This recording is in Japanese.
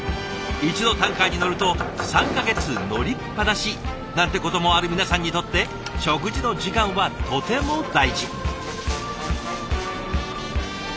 一度タンカーに乗ると３か月乗りっぱなしなんてこともある皆さんにとって食事の時間はとても大事。